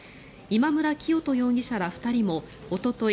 磨人容疑者ら２人もおととい